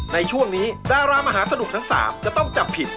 ในช่วงนี้ดารามหาสนุกทั้ง๓จะต้องจับผิด